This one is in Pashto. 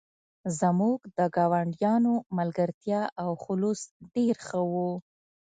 زموږ د ګاونډیانو ملګرتیا او خلوص ډیر ښه و